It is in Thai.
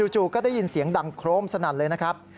จู่ก็ได้ยินเสียงดังโครมสนั่นเลยนะครับ